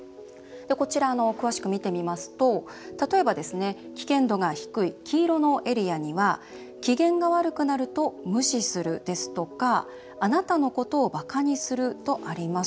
こちら、詳しく見てみますと例えば危険度が低い黄色のエリアには「機嫌が悪くなると無視する」ですとか「あなたのことをバカにする」とあります。